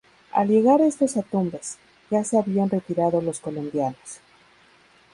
Al llegar estos a Tumbes, ya se habían retirado los colombianos.